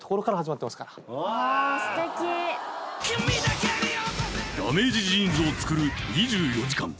すてきダメージジーンズを作る２４時間